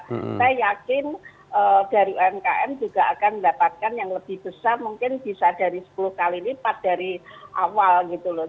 saya yakin dari umkm juga akan mendapatkan yang lebih besar mungkin bisa dari sepuluh kali lipat dari awal gitu loh